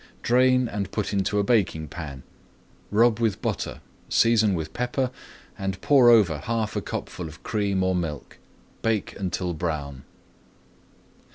Drain and put into a baking pan. Rub with butter, season with pepper, and pour over half a cupful of cream or milk. Bake until brown.